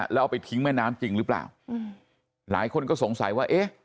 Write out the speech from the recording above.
แล้วเอาไปทิ้งแม่น้ำจริงหรือเปล่าหลายคนก็สงสัยว่าเอ๊ะ